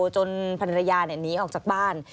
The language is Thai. จนภรรยาหนีออกจากบ้าน